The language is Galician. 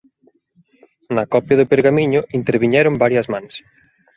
Na copia do pergamiño interviñeron varias mans.